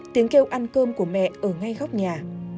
tiếng kêu ăn cơm của mẹ ở ngay góc nhà